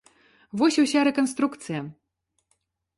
Вось і ўся рэканструкцыя.